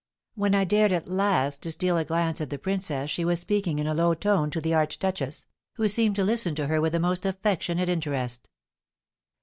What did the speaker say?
When I dared at last to steal a glance at the princess she was speaking in a low tone to the archduchess, who seemed to listen to her with the most affectionate interest.